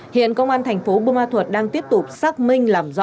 hiện công an thành phố bumathuot đang tiếp tục xác minh làm rõ vai trò